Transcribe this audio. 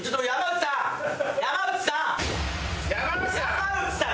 山内さん！